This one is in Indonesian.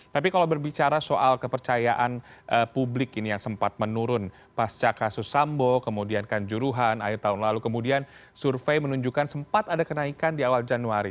tapi kalau berbicara soal kepercayaan publik ini yang sempat menurun pasca kasus sambo kemudian kanjuruhan akhir tahun lalu kemudian survei menunjukkan sempat ada kenaikan di awal januari